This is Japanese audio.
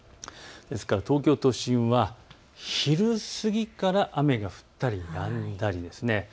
東京都心は昼過ぎから雨が降ったりやんだりです。